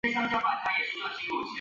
其中三颗最亮的星组成一个三角。